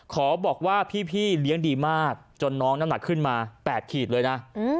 ขอบอกว่าพี่เลี้ยงดีมากจนน้องน้ำหนักขึ้นมา๘ขีดเลยนะ